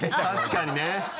確かにね。